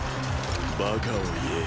バカを言え。